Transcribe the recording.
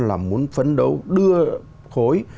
là muốn phấn đấu đưa khối